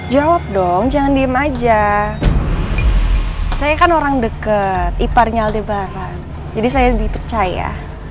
jawab dong jangan diem aja saya kan orang dekat iparnya lebaran jadi saya dipercaya